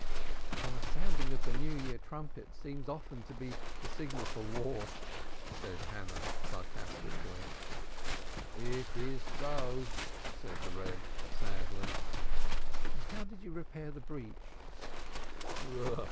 "The sounding of the New Year trumpet seems often to be the signal for war," said Hannah, sarcastically. "It is so," said the Reb, sadly. "And how did you repair the breach?"